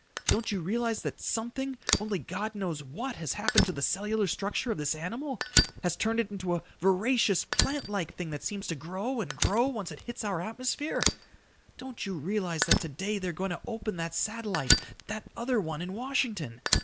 Don't you realize that something, only God knows what, has happened to the cellular structure of this animal, has turned it into a voracious plant like thing that seems to grow and grow once it hits our atmosphere? Don't you realize that today they're going to open that satellite, that other one, in Washington?